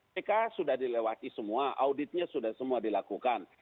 mereka sudah dilewati semua auditnya sudah semua dilakukan